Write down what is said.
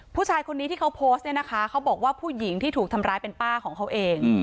ผู้ชายคนนี้ที่เขาโพสต์เนี่ยนะคะเขาบอกว่าผู้หญิงที่ถูกทำร้ายเป็นป้าของเขาเอง